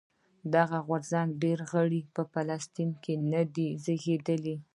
د دغه غورځنګ ډېری غړي په فلسطین کې نه دي زېږېدلي.